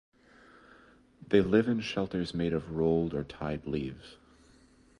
They live in shelters made of rolled or tied leaves.